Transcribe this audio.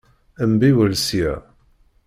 Mbiwel sya!